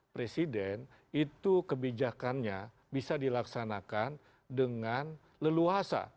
presiden itu kebijakannya bisa dilaksanakan dengan leluasa